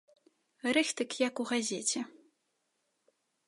Рыхтык як у газеце.